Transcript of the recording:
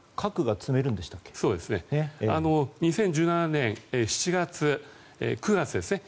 ２０１７年７月、９月ですね。